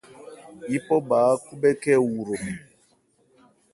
Yípɔ bha ákhúbhɛ́ khɛ́n ɛ wu hromɛn.